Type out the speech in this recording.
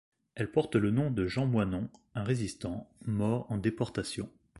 Elle porte le nom de Jean Moinon, un résistant, mort en déportation.